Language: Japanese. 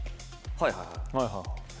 はいはい。